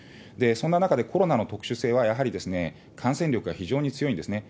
そんな中で、コロナの特殊性は、やはり感染力が非常に強いんですね。